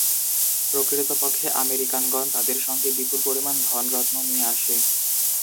প্রকৃতপক্ষে আমেরিকানগণ তাদের সঙ্গে বিপুল পরিমাণ ধন রত্ন নিয়ে আসে।